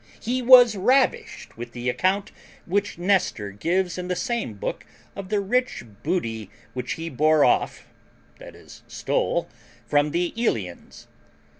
] He was ravished with the account which Nestor gives in the same book of the rich booty which he bore off (i.e. stole) from the Eleans.